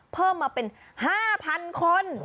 เพิ่มมาเป็น๕๐๐๐คน